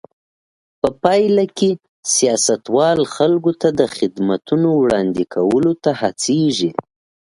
په پایله کې سیاستوال خلکو ته د خدمتونو وړاندې کولو ته هڅېږي.